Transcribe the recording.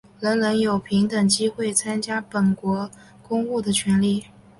人人有平等机会参加本国公务的权利。